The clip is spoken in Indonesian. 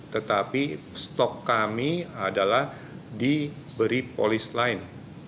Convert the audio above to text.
tetapi stok kami adalah diberi polis lain